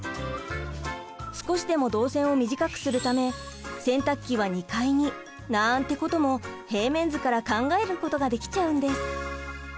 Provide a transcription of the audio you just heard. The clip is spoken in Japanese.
少しでも動線を短くするため洗濯機は２階になんてことも平面図から考えることができちゃうんです！